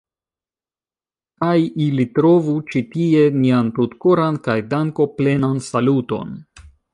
Kaj ili trovu ĉi tie nian tutkoran kaj dankoplenan saluton.